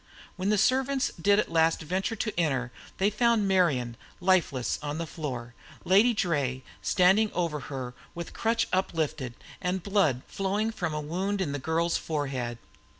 When the servants did at last venture to enter, they found Marian lifeless on the floor, Lady Draye standing over her with crutch uplifted, and blood flowing from a wound in the girl's forehead.